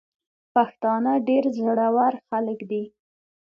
پښتانه ډير زړه ور خلګ دي.